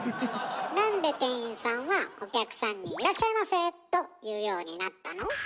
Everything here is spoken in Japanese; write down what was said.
なんで店員さんはお客さんに「いらっしゃいませ」と言うようになったの？